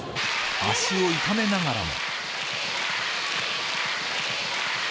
足を痛めながらも。